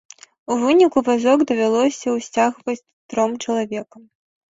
У выніку вазок давялося ўсцягваць тром чалавекам.